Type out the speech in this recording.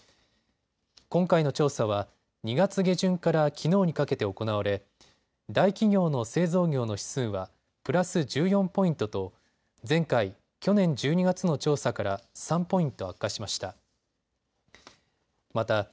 今回の調査は２月下旬からきのうにかけて行われ大企業の製造業の指数はプラス１４ポイントと前回、去年１２月の調査から３ポイント悪化しました。